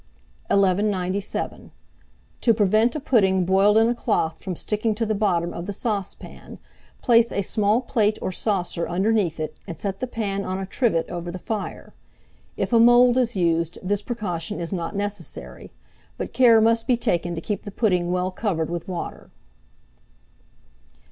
[Illustration: BOILED PUDDING MOULD.] 1197. To prevent a pudding boiled in a cloth from sticking to the bottom of the saucepan, place a small plate or saucer underneath it, and set the pan on a trivet over the fire. If a mould is used, this precaution is not necessary; but care must be taken to keep the pudding well covered with water.